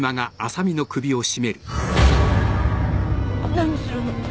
何するの。